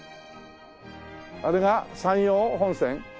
あれが山陽本線？